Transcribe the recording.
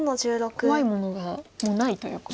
怖いものがもうないということ。